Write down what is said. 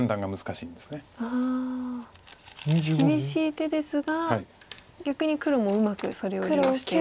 厳しい手ですが逆に黒もうまくそれを利用して。